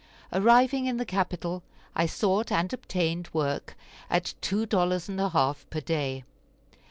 Arriving in the capital, I sought and obtained work at two dollars and a half per day.